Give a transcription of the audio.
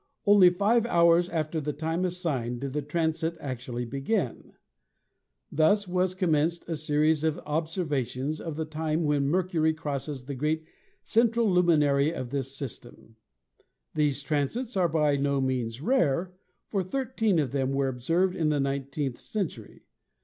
Only five hours after the time assigned did the transit actually begin. Thus was commenced a series of observations of the time when Mercury crosses the great central luminary of this system. These transits are by no means rare, for thirteen of them were observed in the nineteenth century.